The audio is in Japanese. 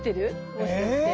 もしかして。